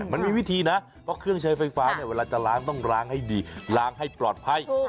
มันมีวิธีนะเพราะเครื่องใช้ไฟฟ้าเนี่ยเวลาจะล้างต้องล้างให้ดีล้างให้ปลอดภัย